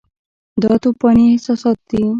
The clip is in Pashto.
دا توپاني احساسات دي.